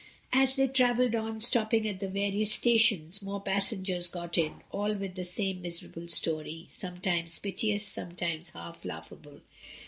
As they travelled on, stopping at the varioas stations, more passengers got in, all with the same miserable story, sometimes piteous, sometimes half laughable.